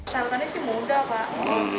syaratannya sih mudah pak